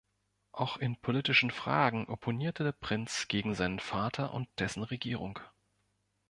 Auch in politischen Fragen opponierte der Prinz gegen seinen Vater und dessen Regierung.